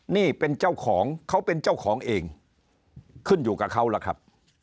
นี่เป็นเจ้าของเขาเป็นเจ้าของเองขึ้นอยู่กับเขาล่ะครับ